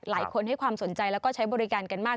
หลายคนให้ความสนใจแล้วก็ใช้บริการกันมาก